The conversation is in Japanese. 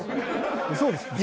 そうですか？